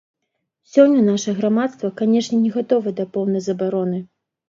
Сёння наша грамадства, канешне, не гатовае да поўнай забароны.